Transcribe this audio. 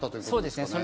そうですね。